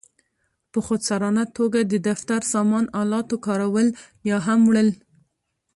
په خودسرانه توګه د دفتري سامان آلاتو کارول او یا هم وړل.